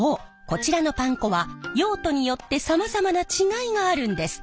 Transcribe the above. こちらのパン粉は用途によってさまざまな違いがあるんです。